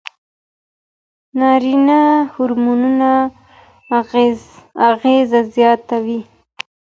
نارینه هورمون اغېز زیاتوي.